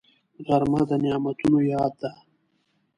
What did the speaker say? غرمه د نعمتونو یاد ده